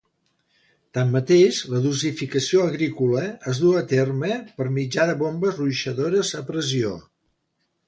Tanmateix, la dosificació agrícola es duu a terme per mitjà de bombes ruixadores a pressió.